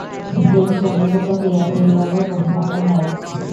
প্রেম ঘনীভূত হইয়া নীলরঙে পরিণত হয়।